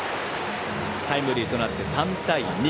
タイムリーとなって３対２。